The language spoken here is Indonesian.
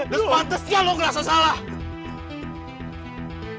lo sepantesnya lo ngerasa salah